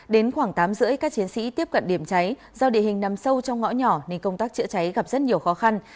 đến khoảng tám h ba mươi các chiến sĩ tiếp cận điểm cháy do địa hình nằm sâu trong ngõ nhỏ nên công tác chữa cháy gặp rất nhiều khó khăn